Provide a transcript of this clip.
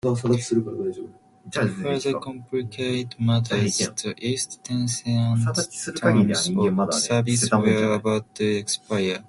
To further complicate matters, the East Tennesseans' terms of service were about to expire.